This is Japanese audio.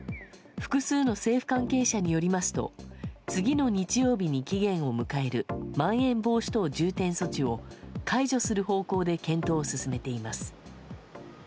複数の政府関係者によりますと次の日曜日に期限を迎えるまん延防止等重点措置を解除する方向で検討を進めています。